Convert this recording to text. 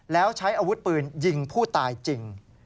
แล้วใช้อาวุธปืนยิงผู้ตายจริง